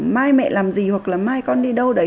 mai mẹ làm gì hoặc là mai con đi đâu đấy